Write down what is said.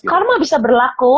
karma bisa berlaku